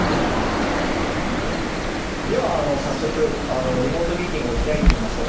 では早速リモートミーティングを開いてみましょう。